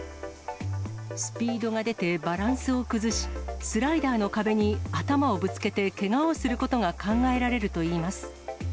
スピードが出て、バランスを崩し、スライダーの壁に頭をぶつけてけがをすることが考えられるといいます。